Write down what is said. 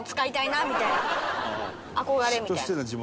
憧れみたいな。